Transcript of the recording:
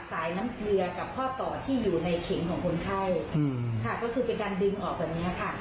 สายน้ำเกลือกับข้อต่อที่อยู่ในเข็งของคนไข้ค่ะก็คือเป็นการดึงออกแบบเนี้ยค่ะ